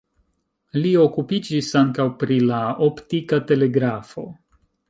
Li okupiĝis ankaŭ pri la optika telegrafo.